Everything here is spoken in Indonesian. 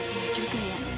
ya cukup ya